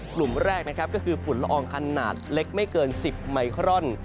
กลุ่มแรกนะครับก็คือฝุ่นละอองขนาดเล็กไม่เกิน๑๐ไมครอน